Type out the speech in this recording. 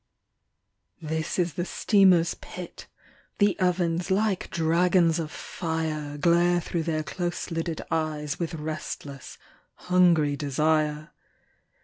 "This is the steamer's pit. The ovens like dragons of fire Glare thro' their close lidded eyes With restless hungry desire.